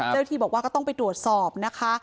เจ้าที่บอกว่าก็ต้องไปตรวจสอบนะคะ